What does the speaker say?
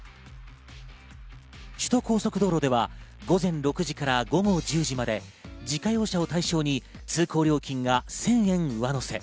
首都高速道路では午前６時から午後１０時まで自家用車を対象に通行料金が１０００円上乗せ。